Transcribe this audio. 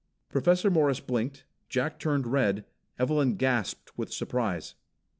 Professor Morris blinked; Jack turned red; Evelyn gasped with surprise.